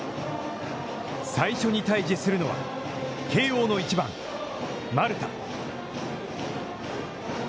最初に対峙するのは、慶応の１番、丸田。